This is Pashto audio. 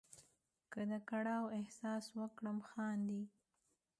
که د کړاو احساس وکړم خاندې.